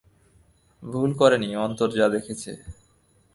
ভুল করেনি অন্তর যা দেখেছে।